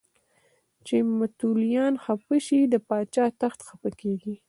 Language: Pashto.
چې متولیان خفه شي د پاچا تخت چپه کېږي.